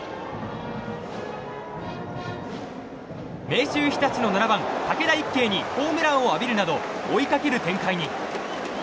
明秀日立の７番、武田一溪にホームランを浴びるなど追いかける展開に。